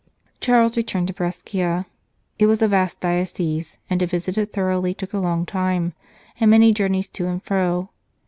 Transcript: Charles returned to Brescia. It was a vast diocese, and to visit it thoroughly took a long time and many journeys to and fro.